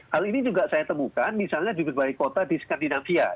hal ini juga saya temukan misalnya di berbagai kota di skandinavia